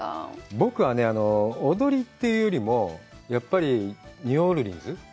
僕はね、踊りというよりも、やっぱりニューオリンズ？